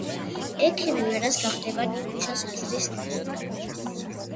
ექიმი ვერას გახდება ნიკუშას აზრის წინააღმდეგ.